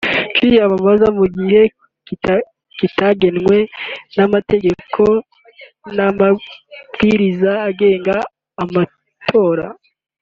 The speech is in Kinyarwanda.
kwiyamamaza mu gihe kitagenwe n’amategeko n’amabwiriza agenga amatora